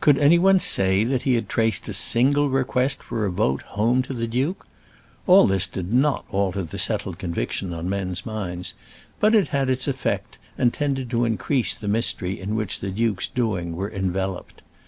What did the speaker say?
Could any one say that he had traced a single request for a vote home to the duke? All this did not alter the settled conviction on men's minds; but it had its effect, and tended to increase the mystery in which the duke's doings were enveloped.